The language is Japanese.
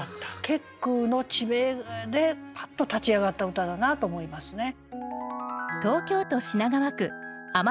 結句の地名でパッと立ち上がった歌だなと思いますね。